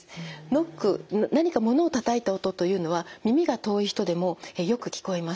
ノック何かモノを叩いた音というのは耳が遠い人でもよく聞こえます。